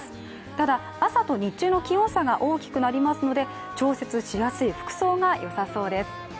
ただ、朝と日中の気温差が大きくなりますので、調整しやすい服装がよさそうです。